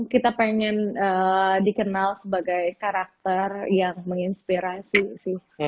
kita pengen dikenal sebagai karakter yang menginspirasi sih